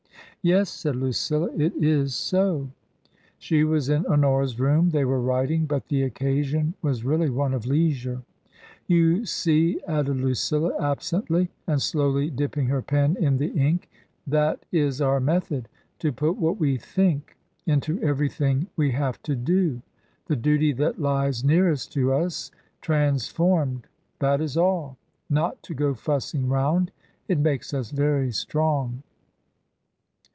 " Yes," said Lucilla, " it is so." She was in Honora's room; they were writing, but the occasion was really one of leisure. " You see," added Lucilla, absently, and slowly dip ping her pen in the ink, " that is our method — ^to put what we think into everything we have to do :' the duty that lies nearest to us* transformed — that is all. Not to go fussing round. It makes us very strong."